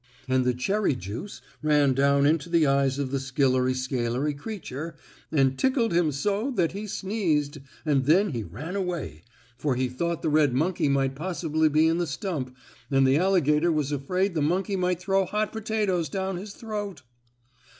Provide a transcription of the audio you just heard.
And the cherry juice ran down into the eyes of the skillery scalery creature, and tickled him so that he sneezed, and then he ran away, for he thought the red monkey might possibly be in the stump, and the alligator was afraid the monkey might throw hot potatoes down his throat.